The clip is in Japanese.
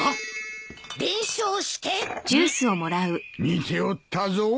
見ておったぞ。